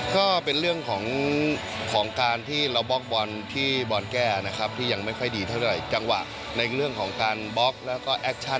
ก็เป็นเรื่องของการที่เราบล็อกบอลที่บอลแก้นะครับที่ยังไม่ค่อยดีเท่าไหร่จังหวะในเรื่องของการบล็อกแล้วก็แอคชั่น